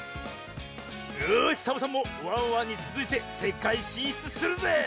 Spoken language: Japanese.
よしサボさんもワンワンにつづいてせかいしんしゅつするぜぇ！